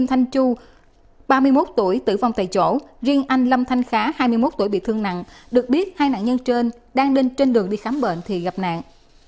anh thanh khá hai mươi một tuổi bị thương nặng được biết hai nạn nhân trên đang lên trên đường đi khám bệnh thì gặp nạn